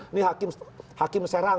ini hakim serang